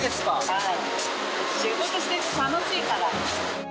はい。